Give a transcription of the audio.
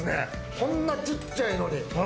こんなちっちゃいのに。